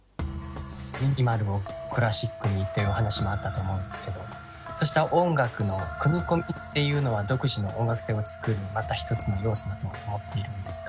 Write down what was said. ミニマルをクラシックにっていうお話もあったと思うんですけどそうした音楽の組み込みっていうのは独自の音楽性を作るまた一つの要素だと思っているのですが。